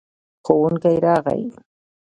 ښوونکی راغی.